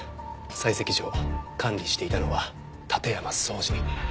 採石場を管理していたのは館山荘司。